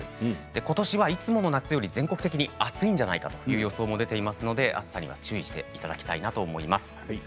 ことしはいつもの夏より全国的に暑いんじゃないかという予想も出ていますので暑さには注意していただきたいなと思います。